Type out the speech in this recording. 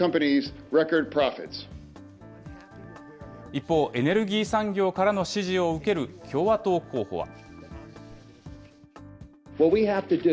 一方、エネルギー産業からの支持を受ける共和党候補は。